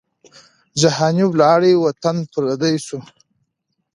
جهاني ولاړې وطن پردی سو